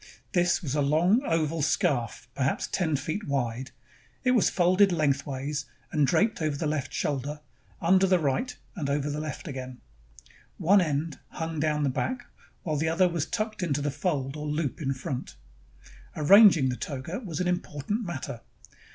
This was a long oval scarf, perhaps ten feet wide. It was folded lengthwise and draped over the left shoulder, under the right, and over the left again. One end hung down in the back, while the other was tucked into the fold or loop in front. Arranging the toga was an impor tant matter.